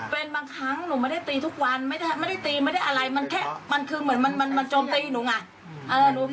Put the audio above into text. เป็นบางครั้งหนูไม่ได้ตีทุกวันไม่ได้ตีไม่ได้อะไรมันแค่มันคือเหมือนมันโจมตีหนูไง